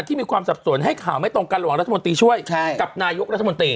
ที่มีความสับสนให้ข่าวไม่ตรงกันระหว่างรัฐมนตรีช่วยกับนายกรัฐมนตรี